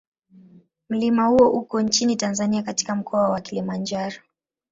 Mlima huo uko nchini Tanzania katika Mkoa wa Kilimanjaro.